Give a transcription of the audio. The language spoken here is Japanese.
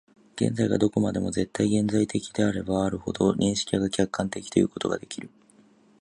現在がどこまでも絶対現在的であればあるほど、認識が客観的ということができる。